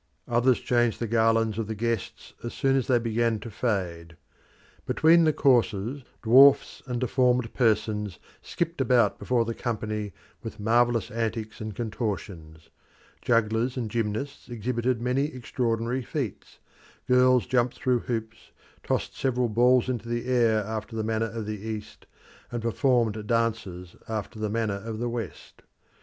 Others changed the garlands of the guests as soon as they began to fade. Between the courses dwarfs and deformed persons skipped about before the company with marvellous antics and contortions; jugglers and gymnasts exhibited many extraordinary feats; girls jumped through hoops, tossed several balls into the air after the manner of the East, and performed dances after the manner of the West.